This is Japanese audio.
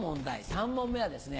３問目はですね。